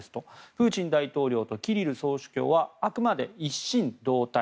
プーチン大統領とキリル総主教はあくまで一心同体